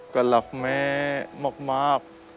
ก็รักแม่มาก